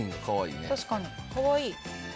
かわいい。